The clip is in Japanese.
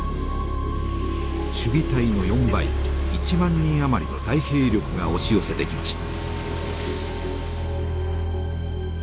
守備隊の４倍１万人余りの大兵力が押し寄せてきました。